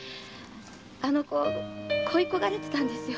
あの子恋こがれていたんですよ。